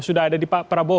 sudah ada di pak prabowo